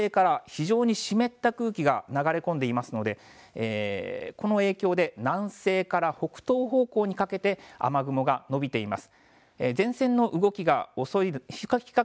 前線南側の九州では今、南西から非常に湿った空気が流れ込んでいますので、この影響で南西から北東方向にかけて、雨雲が伸びています。